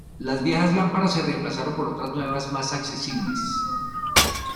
Las viejas lámparas se remplazaron por otras nuevas, más accesibles.